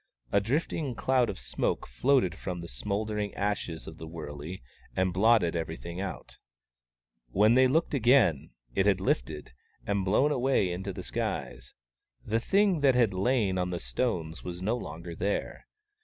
A drifting cloud of smoke floated from the smouldering ashes of the wurley and blotted everything out. \Vhen they looked again, it had lifted, and blown away into the skies. The thing that had lain on the stones was no longer there.